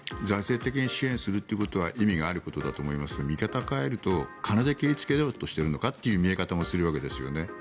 財政的に支援することは意味があると思いますが見方を変えると、金で切りつけようとしているのかという見え方もするわけですよね。